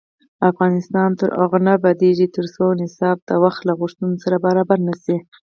افغانستان تر هغو نه ابادیږي، ترڅو نصاب د وخت له غوښتنو سره برابر نشي.